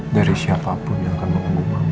dari siapapun yang akan mengunggu mama